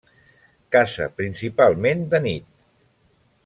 Caça principalment de nit.